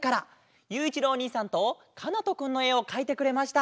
ゆういちろうおにいさんとかなとくんのえをかいてくれました。